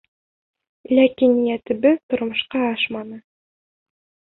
Ләкин ниәтебеҙ тормошҡа ашманы.